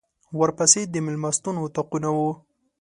ورپسې د مېلمستون اطاقونه وو.